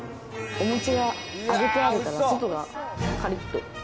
お餅が揚げてあるから、外がカリッと。